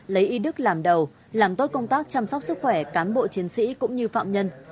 lấy y đức làm đầu làm tốt công tác chăm sóc sức khỏe cán bộ chiến sĩ cũng như phạm nhân